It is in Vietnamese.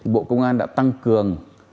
bộ công an đã tăng cường